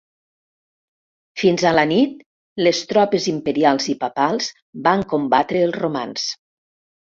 Fins a la nit les tropes imperials i papals van combatre els romans.